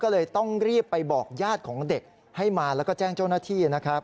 ก็เลยต้องรีบไปบอกญาติของเด็กให้มาแล้วก็แจ้งเจ้าหน้าที่นะครับ